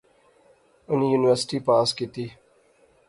انی یونیورسٹی پاس کیتی